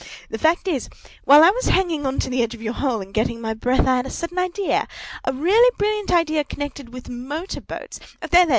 The fact is, while I was hanging on to the edge of your hole and getting my breath, I had a sudden idea—a really brilliant idea—connected with motor boats—there, there!